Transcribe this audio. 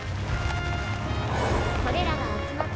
これらが集まって。